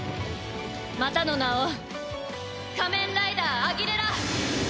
またの名を仮面ライダーアギレラ！